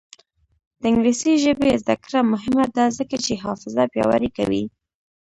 د انګلیسي ژبې زده کړه مهمه ده ځکه چې حافظه پیاوړې کوي.